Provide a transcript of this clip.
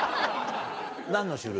何の種類？